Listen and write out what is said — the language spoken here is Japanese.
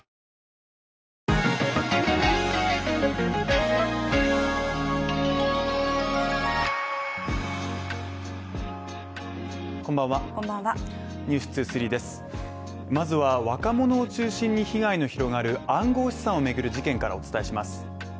こんばんは「ｎｅｗｓ２３」ですまずは若者を中心に被害の広がる暗号資産をめぐる事件からお伝えします。